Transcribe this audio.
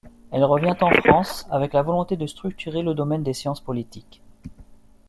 Elle revient en France avec la volonté de structurer le domaine des sciences politiques.